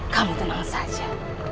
kamu tenang saja